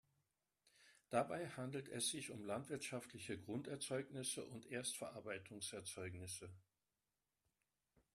Dabei handelt es sich um landwirtschaftliche Grunderzeugnisse und Erstverarbeitungserzeugnisse.